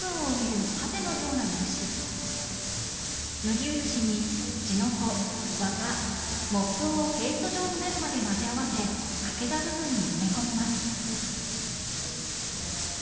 麦漆に地の粉綿木粉をペースト状になるまで混ぜ合わせ欠けた部分に埋め込みます。